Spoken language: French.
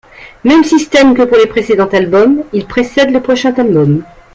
Même système que pour le précédent album, il précède le prochain album.